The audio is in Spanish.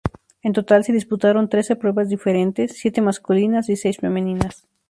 En total se disputaron trece pruebas diferentes, siete masculinas y seis femeninas.